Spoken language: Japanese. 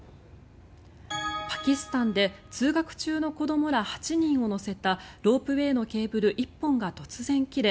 パキスタンで通学中の子どもら８人を乗せたロープウェーのケーブル１本が突然切れ